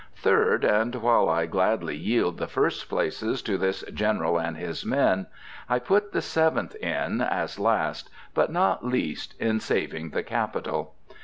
3d, And while I gladly yield the first places to this General and his men, I put the Seventh in, as last, but not least, in saving the capital.